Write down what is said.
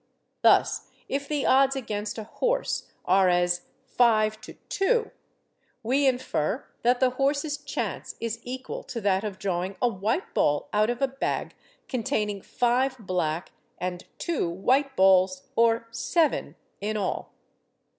Thus, if the odds against a horse are as 5 to 2, we infer that the horse's chance is equal to that of drawing a white ball out of a bag containing five black and two white balls—or seven in all.